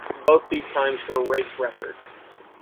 Both these times were race records.